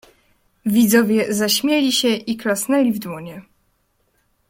"Widzowie zaśmieli się i klasnęli w dłonie."